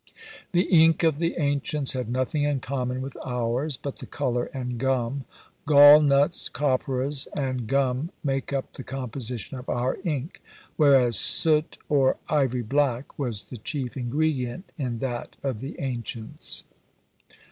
The ink of the ancients had nothing in common with ours, but the colour and gum. Gall nuts, copperas, and gum make up the composition of our ink; whereas soot or ivory black was the chief ingredient in that of the ancients.